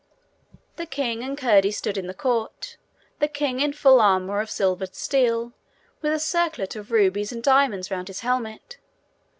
The king and Curdie stood in the court, the king in full armour of silvered steel, with a circlet of rubies and diamonds round his helmet.